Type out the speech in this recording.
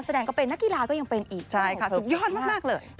ใช่แล้วค่ะใช่ค่ะสุดยอดมากเลย